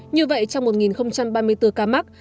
như vậy trong một ba mươi bốn ca mắc